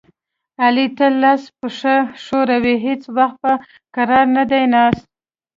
علي تل لاس پښه ښوروي، هېڅ وخت په کرار نه دی ناست.